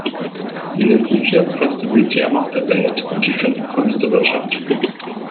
Wir sind die viertgrößte Militärmacht der Welt und die fünftgrößte Wirtschaft.